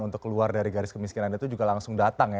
untuk keluar dari garis kemiskinan itu juga langsung datang ya